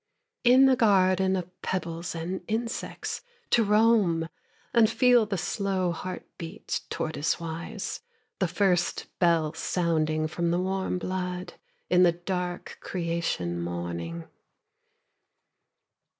In a garden of pebbles and insects To roam, and feel the slow heart beat Tortoise wise, the first bell sounding From the warm blood, in the dark creation morning.